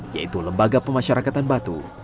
yaitu lembaga pemasyarakatan batu